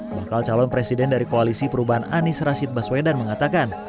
bakal calon presiden dari koalisi perubahan anies rashid baswedan mengatakan